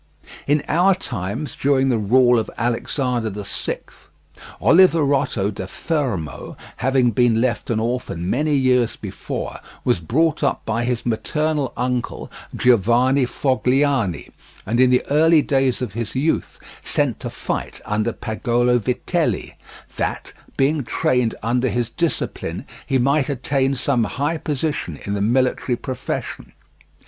In our times, during the rule of Alexander the Sixth, Oliverotto da Fermo, having been left an orphan many years before, was brought up by his maternal uncle, Giovanni Fogliani, and in the early days of his youth sent to fight under Pagolo Vitelli, that, being trained under his discipline, he might attain some high position in the military profession.